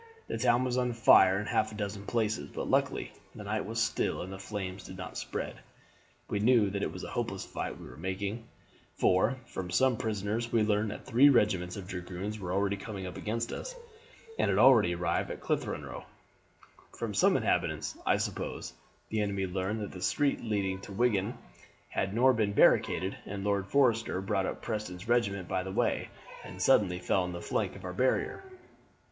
The town was on fire in half a dozen places, but luckily the night was still and the flames did not spread. We knew that it was a hopeless fight we were making; for, from some prisoners, we learned that three regiments of dragoons were also coming up against us, and had already arrived at Clitheroe. From some inhabitants, I suppose, the enemy learned that the street leading to Wigan had nor been barricaded, and Lord Forrester brought up Preston's regiment by this way, and suddenly fell on the flank of our barrier.